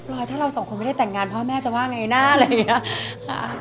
ถ้าเราสองคนไม่ได้แต่งงานพ่อแม่จะว่าไงนะอะไรอย่างนี้